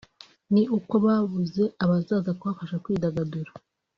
ni uko babuze abazaza kubafasha kwidagadura